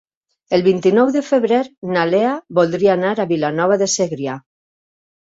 El vint-i-nou de febrer na Lea voldria anar a Vilanova de Segrià.